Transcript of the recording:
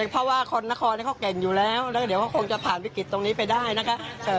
เพราะว่าคนนครเขาเก่งอยู่แล้วแล้วเดี๋ยวเขาคงจะผ่านวิกฤตตรงนี้ไปได้นะคะ